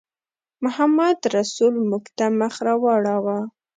محمدرسول موږ ته مخ راواړاوه.